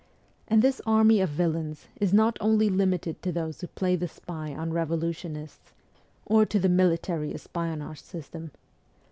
And this army of villains is not only limited to those who play the spy on revolutionists or to the military espionage system.